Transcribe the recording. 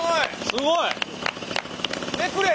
すごい。